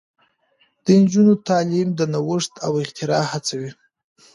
د نجونو تعلیم د نوښت او اختراع هڅوي.